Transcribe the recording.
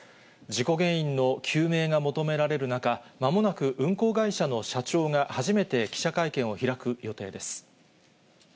事故原因の究明が求められる中、まもなく運航会社の社長が初めて記者会見を開く予定です。